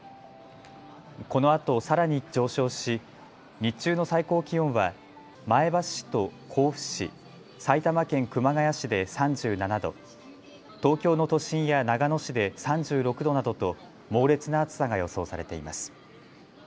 このあとさらに上昇し日中の最高気温は前橋市と甲府市、埼玉県熊谷市で３７度、東京の都心や長野市で３６度などと猛烈な暑さが予想されています。